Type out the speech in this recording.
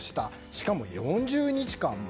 しかも４０日間も。